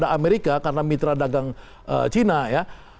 karena amerika karena mitra dagang cina ya